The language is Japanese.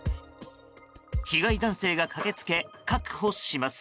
被害男性が駆けつけ確保します。